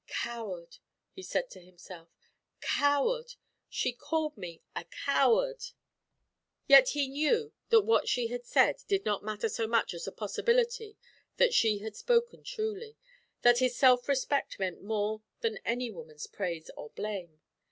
"Coward," he said to himself, "coward! She called me a coward!" Yet he knew that what she had said did not matter so much as the possibility that she had spoken truly that his self respect meant more than any woman's praise or blame.